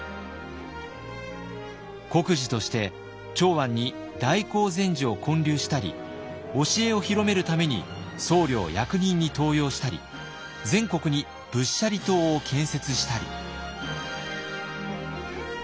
国寺として長安に大興善寺を建立したり教えを広めるために僧侶を役人に登用したり全国に仏舎利塔を建設したり。